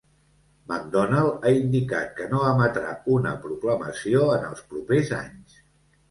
McDonnell ha indicat que no emetrà una proclamació en els propers anys.